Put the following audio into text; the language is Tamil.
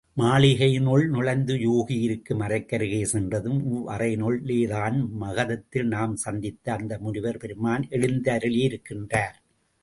மாளிகையினுள் நுழைந்து யூகி இருக்கும் அறைக்கருகே சென்றதும், இவ்வறையினுள்ளேதான் மகதத்தில் நாம் சந்தித்த அந்த முனிவர் பெருமான் எழுந்தருளியிருக்கின்றார்.